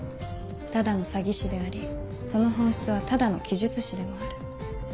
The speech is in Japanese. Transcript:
ただの詐欺師でありその本質はただの奇術師でもある。